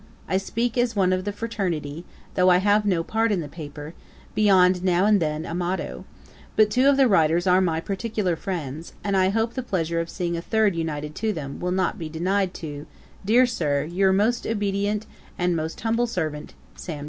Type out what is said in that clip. I speak as one of the fraternity, though I have no part in the paper, beyond now and then a motto; but two of the writers are my particular friends, and I hope the pleasure of seeing a third united to them, will not be denied to, dear Sir, 'Your most obedient, 'And most humble servant, 'SAM.